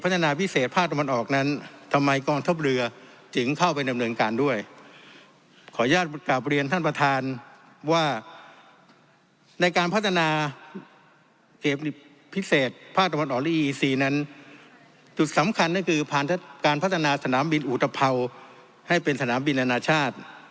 สำคัญกันคือการพัฒนาสนามบินอูตเผ่าให้เป็นสนามบินอนาชาติ